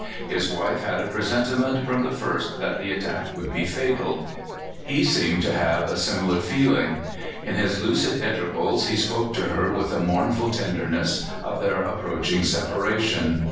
His wife had a presentiment from the first that the attack w ould be fatal. He seemed to A Womr 71 of the Early Days. 39 Lave a similar feeliug. lu his lucid intervals he spoke to her with a mournful tenderness of their approaching separation.